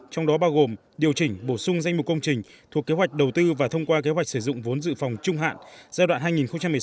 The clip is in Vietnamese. trong đó bao gồm điều chỉnh bổ sung danh mục công trình thuộc kế hoạch đầu tư và thông qua kế hoạch sử dụng vốn dự phòng trung hạn giai đoạn hai nghìn một mươi sáu hai nghìn hai mươi